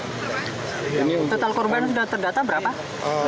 total korban sudah terdata berapa